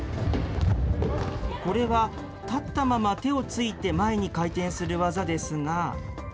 これは立ったまま手をついて前に回転する技ですが。